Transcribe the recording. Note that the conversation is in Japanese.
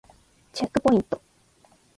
チェックポイント